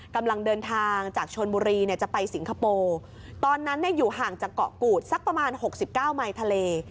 กำลังเดินทางจากชนบุรีเนี่ยจะไปสิงคโปร์ตอนนั้นอยู่ห่างจากเกาะกูดสักประมาณ๖๙ไมล์ทะเล